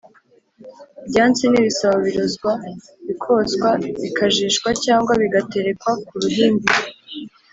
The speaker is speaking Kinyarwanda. byansi n’ibisabo birozwa, bikoswa bikajishwa cyangwa bigaterekwa ku ruhimbi